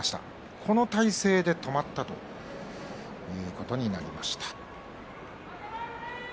この体勢で止まってということになりました。